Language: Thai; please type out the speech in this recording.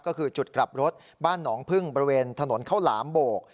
ก็คือจุดกลับรถบ้านหนองพึ่งบริเวณถนนข้าวหลามโบก